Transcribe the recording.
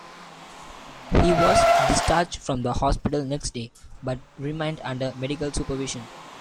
He was discharged from hospital the next day, but remained under medical supervision.